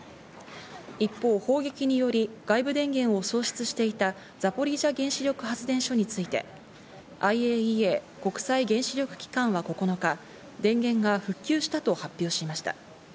一方、砲撃により外部電源を送出していたザポリージャ原子力発電所についてＩＡＥＡ＝国際原子力機関は９日、電源が復旧したと発表しました。